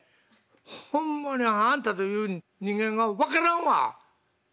ホンマにあんたという人間が分からんわ！」。